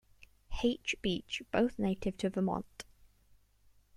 H. Beach, both native to Vermont.